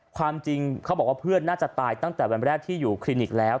ความจริงเขาบอกว่าเพื่อนน่าจะตายตั้งแต่วันแรกที่อยู่คลินิกแล้ว